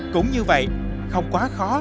cũng như vậy không quá khó